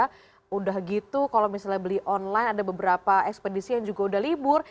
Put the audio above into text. sudah gitu kalau misalnya beli online ada beberapa ekspedisi yang juga udah libur